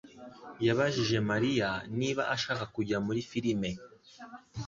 yabajije Mariya niba ashaka kujya muri firime.